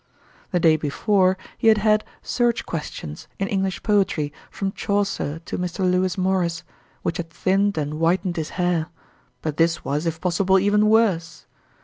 The day before, he had had "search ques tions" in English poetry from Chaucer to Mr. Lewis Morris, which had thinned and whitened his hair; but this was, if possible, even worse.